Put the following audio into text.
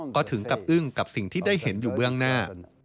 ก็ถึงกับอึ้งกับสิ่งที่ได้เห็นอยู่เบื้องหน้า